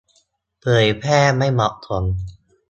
เผยแพร่ไม่เหมาะสม